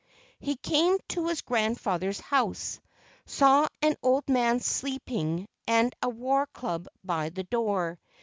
He came to his grandfather's house, saw an old man sleeping and a war club by the door.